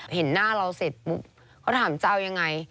เห็นหน้าเราเสร็จปุ๊บเขาถามจะเอายังไง